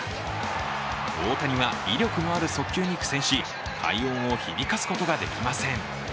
大谷は威力のある速球に苦戦し、快音を響かすことができません。